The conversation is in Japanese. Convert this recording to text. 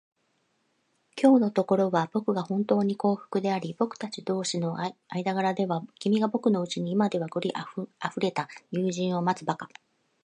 きょうのところは、ぼくがほんとうに幸福であり、ぼくたち同士の間柄では、君がぼくのうちに今ではごくありふれた友人を持つばかりでなく、